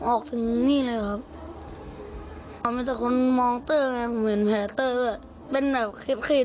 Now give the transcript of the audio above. ออกถึงนี่เลยครับมีแต่คนมองเตอร์มีแผลเตอร์ด้วยเป็นแบบขีดขีด